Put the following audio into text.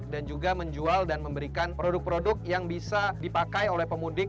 dan juga menjual dan memberikan produk produk yang bisa dipakai oleh pemudik